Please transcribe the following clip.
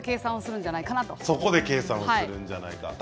そこで計算するんじゃないかなと。